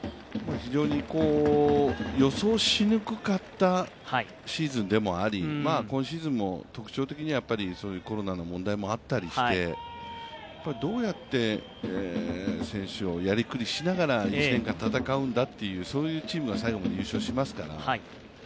非常に予想しにくかったシーズンでもあり、今シーズンも特徴的にはコロナの問題もあったりしてどうやって選手をやりくりしながら１年間戦っていくのかという、そういうチームが最後まで優勝しますから。